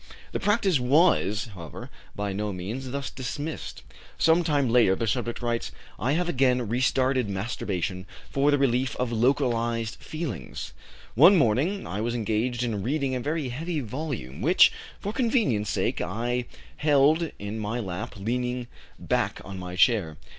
The practice was, however, by no means thus dismissed. Some time later the subject writes: "I have again restarted masturbation for the relief of localized feelings. One morning I was engaged in reading a very heavy volume which, for convenience sake, I held in my lap, leaning back on my chair.